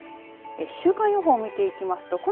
週間予報を見ていきますと